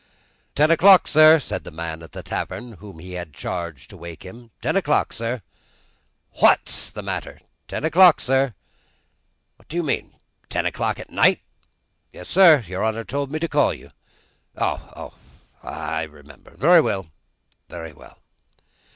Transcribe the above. "Ten o'clock, sir," said the man at the tavern, whom he had charged to wake him "ten o'clock, sir." "What's the matter?" "Ten o'clock, sir." "What do you mean? Ten o'clock at night?" "Yes, sir. Your honour told me to call you." "Oh! I remember. Very well, very well."